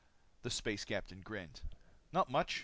The space captain grinned. "Not much.